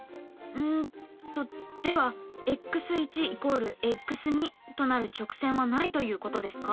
んとではｘ＝ｘとなる直線はないということですか？